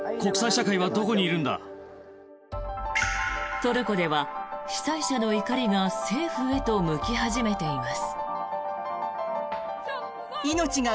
トルコでは被災者の怒りが政府へと向き始めています。